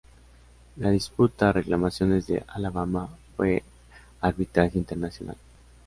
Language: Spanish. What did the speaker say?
La disputa "Reclamaciones de Alabama" fue a arbitraje internacional.